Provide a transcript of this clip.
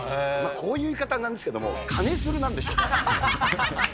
こういう言い方、なんですけれども、金づるなんでしょうね。